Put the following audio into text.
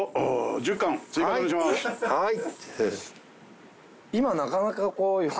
はい。